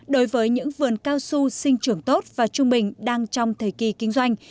đối với những vườn cao su sinh trưởng tốt và trung bình đang trong thời kỳ kinh doanh